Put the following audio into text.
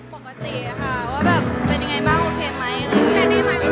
คือผมมองว่าเป็นเพื่อนที่ผมไว้ใจ